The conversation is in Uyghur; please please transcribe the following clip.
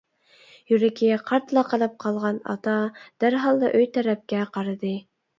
يۈرىكى قارتلا قىلىپ قالغان ئاتا دەرھاللا ئۆي تەرەپكە قارىدى.